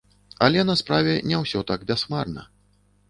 Але на справе не ўсё так бясхмарна.